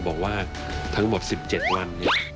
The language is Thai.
บอกว่าทั้งหมด๑๗วัน